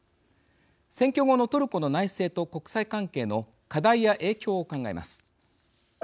選挙後のトルコの内政と国際関係の課題や影響を考えます。